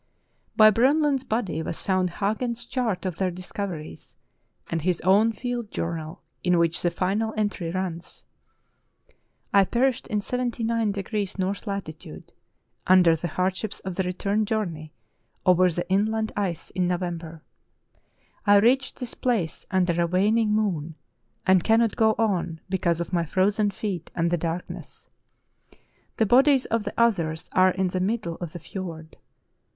'* By Bronlund's body was found Hagen's chart of their discoveries, and his own field journal in which the final entry runs: "I perished in 79° N. latitude, under the hardships of the return journey over the inland The Fidelity of Eskimo Bronlund 363 ice in November. I reached this place under a waning moon, and cannot go on because of my frozen feet and the darkness. The bodies of the others are in the mid dle of the fiord.